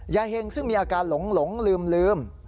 ยายเห็งซึ่งมีอาการหลงลืม